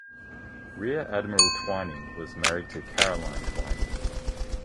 Rear Adm. Twining was married to Caroline Twining.